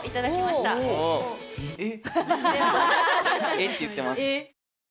「えっ」て言ってます。